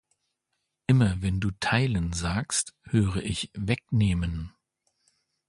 Immer wenn du teilen sagst, höre ich wegnehmen.